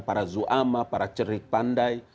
para zu'ama para cerik pandai